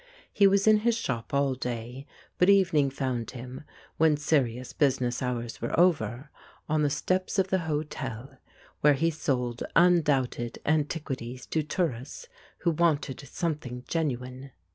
He was in his shop all day, but evening found him, when serious busi ness hours were over, on the steps of the hotel, where he sold undoubted antiquities to tourists who wanted something genuine.